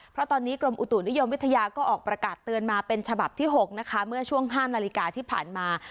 เพราะตอนนี้กรมอุตุนิยมวิทยาก็ออกประกาศเตือนมาเป็นฉบับที่๖นะคะเมื่อช่วง๕นาฬิกาที่ผ่านมา